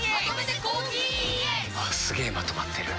すげえまとまってる。